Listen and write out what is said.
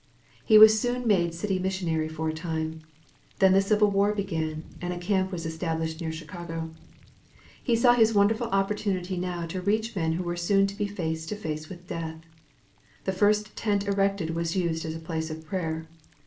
He was soon made city missionary for a time. Then the civil war began, and a camp was established near Chicago. He saw his wonderful opportunity now to reach men who were soon to be face to face with death. The first tent erected was used as a place of prayer.